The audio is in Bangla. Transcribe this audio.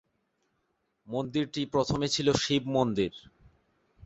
মন্দিরটি প্রথমে ছিল শিব মন্দির।